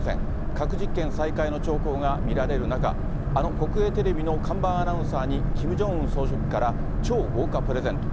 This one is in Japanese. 核実験再開の兆候が見られる中、あの国営テレビの看板アナウンサーにキム・ジョンウン総書記から、超豪華プレゼント。